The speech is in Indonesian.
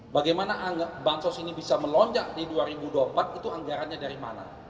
bagaimana bansos ini bisa melonjak di dua ribu dua puluh empat itu anggarannya dari mana